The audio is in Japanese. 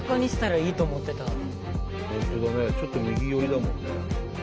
本当だねちょっと右寄りだもんね。